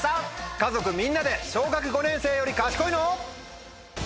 家族みんなで小学５年生より賢いの？